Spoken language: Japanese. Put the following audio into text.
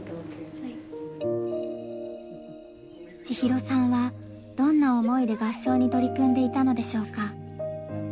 千尋さんはどんな思いで合唱に取り組んでいたのでしょうか？